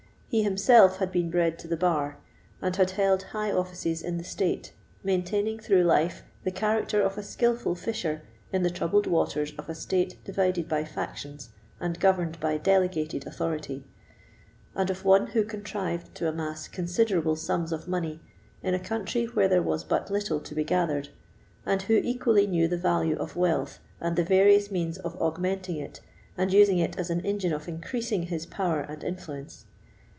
He himself had been bred to the bar, and had held high offices in the state, maintaining through life the character of a skilful fisher in the troubled waters of a state divided by factions, and governed by delegated authority; and of one who contrived to amass considerable sums of money in a country where there was but little to be gathered, and who equally knew the value of wealth and the various means of augmenting it and using it as an engine of increasing his power and influence.